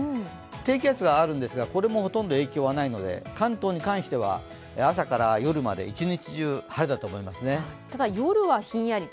低気圧があるんですが、これもほとんど影響はないので、関東に関しては朝から夜まで一日中晴れだと思います。